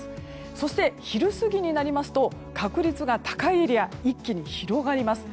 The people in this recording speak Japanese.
そして、昼過ぎになりますと確率が高いエリア一気に広がります。